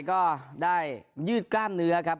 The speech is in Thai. ก็ได้ยืดกล้ามเนื้อครับ